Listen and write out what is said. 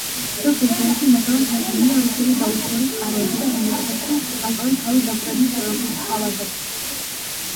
ზოგ შემთხვევაში მასალა თარგმნილია რუსული და უცხოური წყაროებიდან, უმეტესად კი ავტორი თავის დაკვირვებებს გვთავაზობს.